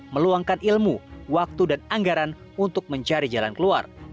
meluangkan ilmu waktu dan anggaran untuk mencari jalan keluar